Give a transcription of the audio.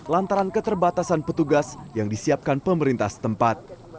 lantaran keterbatasan petugas yang disiapkan pemerintah setempat